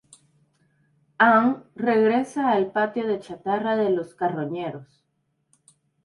Anne regresa al patio de chatarra de los carroñeros.